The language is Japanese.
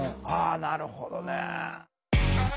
ああなるほどね。